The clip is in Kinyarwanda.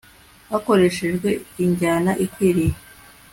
hakoreshwa injyana ikwiriye